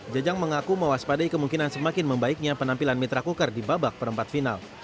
jajang mengaku mewaspadai kemungkinan semakin membaiknya penampilan mitra kukar di babak perempat final